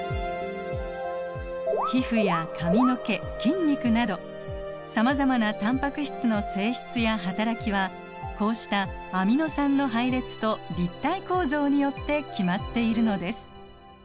皮膚や髪の毛筋肉などさまざまなタンパク質の性質や働きはこうしたアミノ酸の配列と立体構造によって決まっているのです。